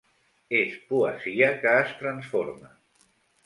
És poesia que es transforma.